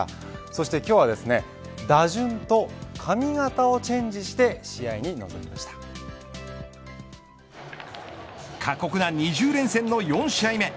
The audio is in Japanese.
そして今日は打順と髪型をチェンジして過酷な２０連戦の４試合目。